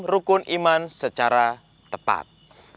rukun iman secara tepat